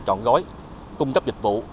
chọn gói cung cấp dịch vụ